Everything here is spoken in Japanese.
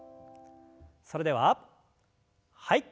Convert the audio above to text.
それでははい。